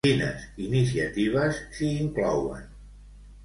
Quines iniciatives s'hi inclouen?